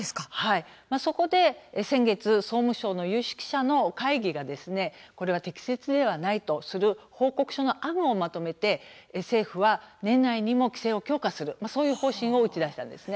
そこで先月、総務省の有識者の会議がこれは適切ではないとする報告書案をまとめて政府は年内にも規制を強化する方針を打ち出しました。